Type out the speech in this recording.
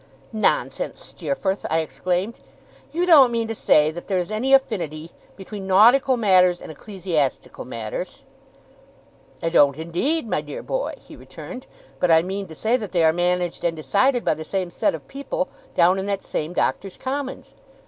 'Nonsense, Steerforth!' I exclaimed. 'You don't mean to say that there is any affinity between nautical matters and ecclesiastical matters?' 'I don't, indeed, my dear boy,' he returned; 'but I mean to say that they are managed and decided by the same set of people, down in that same Doctors' Commons.